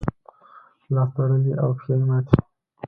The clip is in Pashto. لاس تړلی او پښې ماتې.